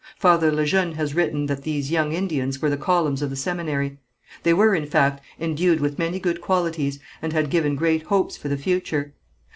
Father Le Jeune has written that these young Indians were the columns of the seminary. They were, in fact, endued with many good qualities, and had given great hopes for the future.